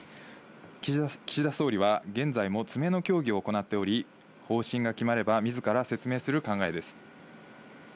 岸田総理は現在も詰めの協議を行っており、方針が決まれば、自ら説明する考えです。